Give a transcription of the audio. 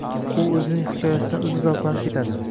U o‘zining hikoyasidan o‘zi zavqlanib ketadi.